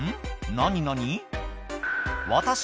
何何？